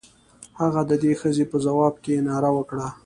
هغه د دې ښځې په ځواب کې ناره وکړه.